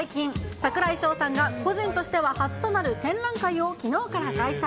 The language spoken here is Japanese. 櫻井翔さんが、個人としては初となる展覧会をきのうから開催。